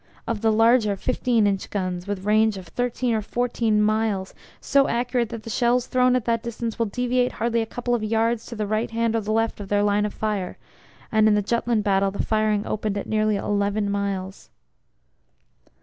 Of the larger 15 in. guns, with range of 13 or 14 miles, so accurate that the shells thrown at that distance will deviate hardly a couple of yards to the right hand or the left of their line of fire (and in the Jutland battle the firing opened at nearly 11 miles).